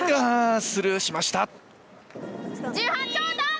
スルーしました。